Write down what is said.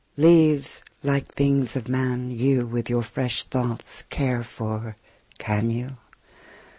Leaves, like the things of man, you With your fresh thoughts care for, can you?